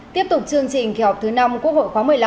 tiếp tục chương trình khi học thứ năm quốc hội khoá một mươi năm